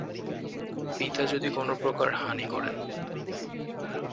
পিতা যদি কোন প্রকার হানি করেন।